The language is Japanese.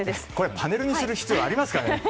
パネルにする必要ありますかね？